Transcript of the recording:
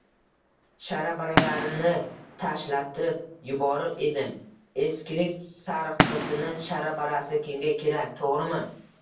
Shara-baralarini tashlatib yuborib edim. Eskilik sarqitini shara-barasi kimga kerak, to‘g‘rimi?